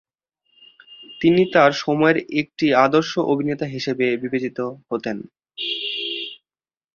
তিনি তাঁর সময়ের একজন আদর্শ অভিনেতা হিসাবে বিবেচিত হতেন।